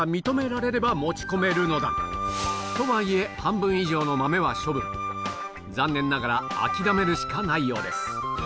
豆などの植物はとはいえ残念ながら諦めるしかないようです